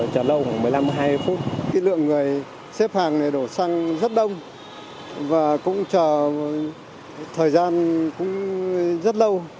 cái lượng người xếp hàng đổ xăng rất đông và cũng chờ thời gian rất lâu